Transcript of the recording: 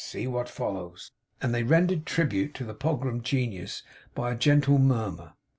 See what follows!' and they rendered tribute to the Pogram genius by a gentle murmur.